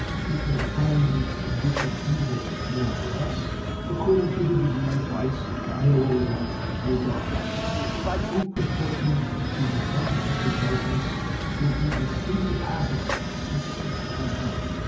It will find its condition evil, more or less, according to the degree of its moral light or darkness, and in proportion to the amount of the darkness will be its incapacity to seek for light.